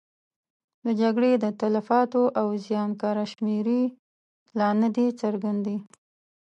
د جګړې د تلفاتو او زیان کره شمېرې لا نه دي څرګندې.